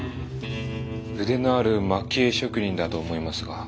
腕のある蒔絵職人だと思いますが。